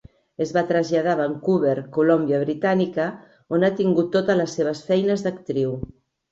Es va traslladar a Vancouver, Colúmbia Britànica, on ha tingut totes les seves feines d'actriu.